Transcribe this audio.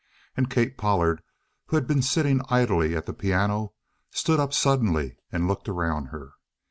And Kate Pollard, who had been sitting idly at the piano, stood up suddenly and looked around her.